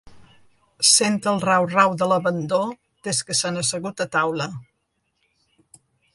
Sent el rau-rau de l'abandó des que s'han assegut a taula.